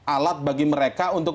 alat bagi mereka untuk